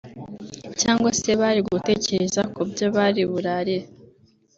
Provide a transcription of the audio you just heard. cyangwa se bari gutekereza ku byo bari burarire